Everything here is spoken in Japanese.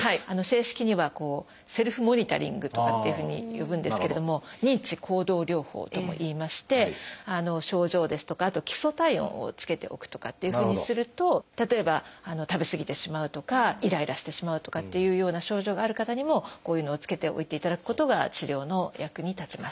正式には「セルフモニタリング」とかっていうふうに呼ぶんですけれども「認知行動療法」ともいいまして症状ですとかあと基礎体温をつけておくとかというふうにすると例えば食べ過ぎてしまうとかイライラしてしまうとかっていうような症状がある方にもこういうのをつけておいていただくことが治療の役に立ちます。